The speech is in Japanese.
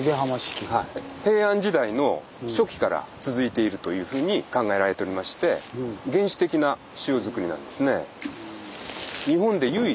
平安時代の初期から続いているというふうに考えられておりまして原始的な塩作りなんですね。